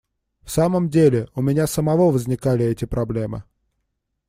В самом деле, у меня самого возникали эти проблемы.